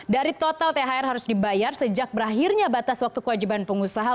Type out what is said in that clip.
dari total thr harus dibayar sejak berakhirnya batas waktu kewajiban pengusaha